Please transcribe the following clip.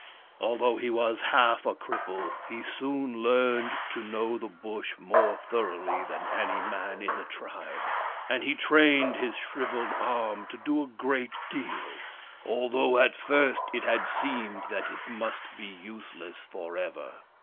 Although he was half a cripple, he soon learned to know the Bush more thoroughly than any man in the tribe, and he trained his shrivelled arm to do a great deal, although at first it had seemed that it must be useless for ever.